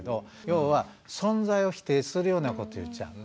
要は存在を否定するようなこと言っちゃう。